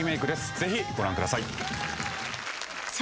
ぜひご覧ください